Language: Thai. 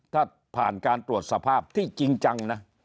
ถ้าผ่านการตรวจสภาพที่จริงจังนะ